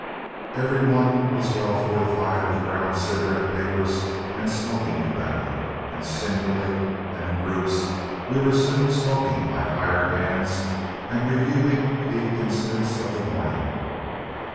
Every one was well fortified with brown cigarette papers and smoking tobacco, and singly and in groups we were soon smoking like hired hands and reviewing the incidents of the morning.